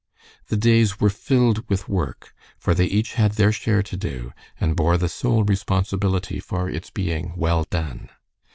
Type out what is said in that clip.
The days were filled with work, for they each had their share to do, and bore the sole responsibility for its being well done.